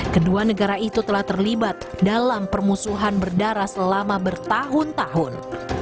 kedua negara itu telah terlibat dalam permusuhan berdarah selama bertahun tahun